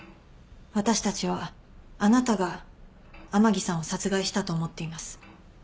私たちはあなたが甘木さんを殺害したと思っています。